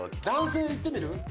男性いってみる？